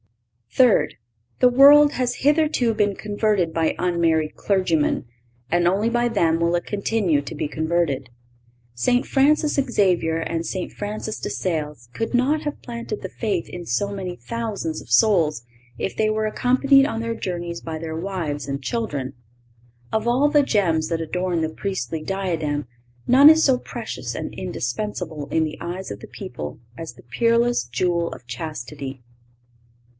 (530) Third—The world has hitherto been converted by unmarried clergymen, and only by them will it continue to be converted. St. Francis Xavier and St. Francis de Sales could not have planted the faith in so many thousands of souls if they were accompanied on their journeys by their wives and children. Of all the gems that adorn the priestly diadem, none is so precious and indispensable in the eyes of the people as the peerless jewel of chastity.